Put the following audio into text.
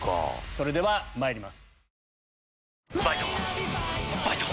それではまいります。